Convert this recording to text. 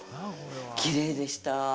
きれいでした。